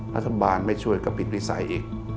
รัฐบาลไม่ช่วยก็ปิดวิสัยอีก